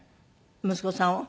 息子さんを？